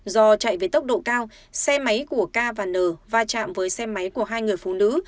do chạy với tốc độ cao xe máy của k và n va chạm với xe máy của hai người phụ nữ